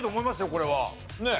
これは。ねえ。